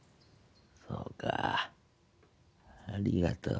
そうかありがとうな。